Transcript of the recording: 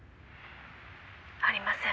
「ありません」